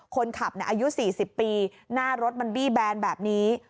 คนขับอายุ๔๐ปีหน้ารถมันบี้แบนแบบนี้